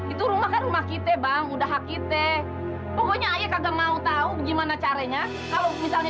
itu rumah rumah kita bang udah hak kita pokoknya kayak nggak mau tahu gimana caranya kalau misalnya